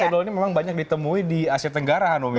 idol ini memang banyak ditemui di asia tenggara hanum ya